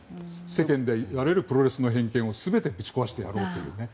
世間でいわれるプロレスの偏見を全てぶち壊してやろうというね。